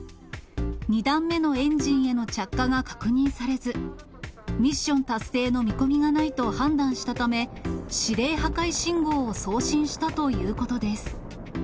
２段目のエンジンへの着火が確認されず、ミッション達成の見込みがないと判断したため、指令破壊信号を送信したということです。